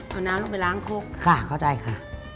เอาน้ำลงไปล้างคกค่ะเข้าใจค่ะ